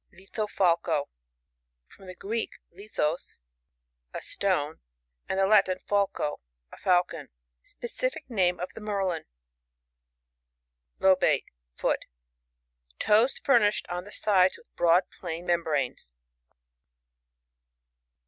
LiTHOFAixio.— From the Greek, /i/Ao«, a stone, and the Latin, /a/co, a fnU con. Specific name of^ the Merlm. LoBATE (fool) — Toes furnished on the sides with broad plain membranes.